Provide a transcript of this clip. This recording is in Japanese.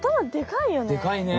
でかいね。